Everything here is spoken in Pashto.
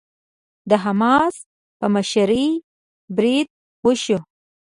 د حماس په مشرۍ بريد وشو.